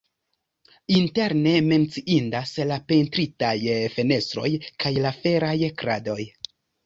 Interne menciindas la pentritaj fenestroj kaj la feraj kradoj.